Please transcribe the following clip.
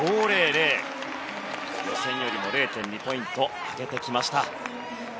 予選よりも０．２ポイント上げてきました。